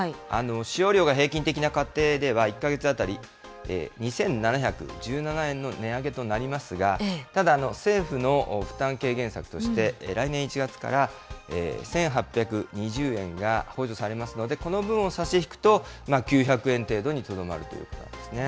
使用量が平均的な家庭では、１か月当たり２７１７円の値上げとなりますが、ただ政府の負担軽減策として、来年１月から１８２０円が補助されますので、この分を差し引くと、９００円程度にとどまるということなんですね。